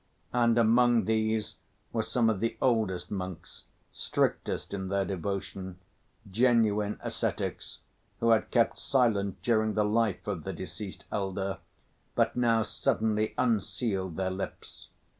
And among these were some of the oldest monks, strictest in their devotion, genuine ascetics, who had kept silent during the life of the deceased elder, but now suddenly unsealed their lips.